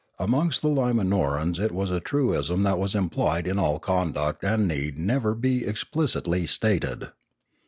Amongst the Limauorans it was a truism that was implied in all conduct and need never be explicitly stated.